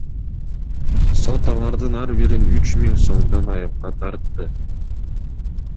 Сот алардын ар бирин үч миң сомдон айыпка тартты.